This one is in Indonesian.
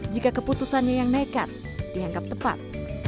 jika keputusannya yang nekat dianggap tepat